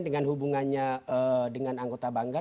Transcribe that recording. dengan hubungannya dengan anggota banggar